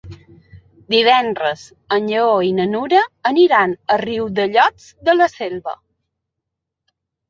Divendres en Lleó i na Nura aniran a Riudellots de la Selva.